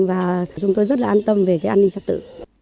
và chúng tôi rất là an tâm về cái an ninh trật tự